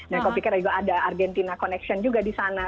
dan kalau pikir ada juga argentina connection juga di sana